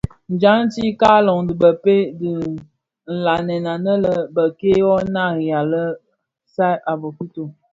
Djanti, Kaaloň dhi bëpeï bi nlanèn anèn bek-kè bō nariya lè saad a bokito.